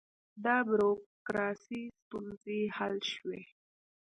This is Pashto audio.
د بروکراسۍ ستونزې حل شوې؟